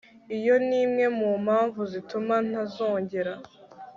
Iyo ni imwe mu mpamvu zituma ntazongera